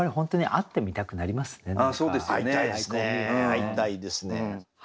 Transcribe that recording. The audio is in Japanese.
会いたいですね。